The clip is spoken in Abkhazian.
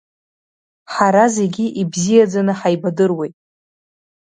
Ҳара зегьы ибзиаӡаны ҳаибадыруеит.